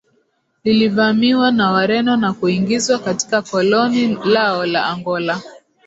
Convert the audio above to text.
lilivamiwa na Wareno na kuingizwa katika koloni lao la Angola